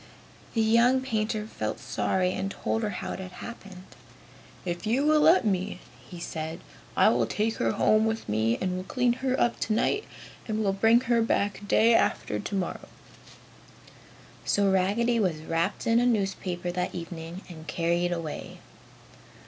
The young painter felt sorry and told her how it had happened. "If you will let me," he said, "I will take her home with me and will clean her up tonight and will bring her back day after tomorrow." So Raggedy was wrapped in a newspaper that evening and carried away.